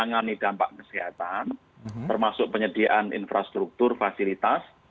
menangani dampak kesehatan termasuk penyediaan infrastruktur fasilitas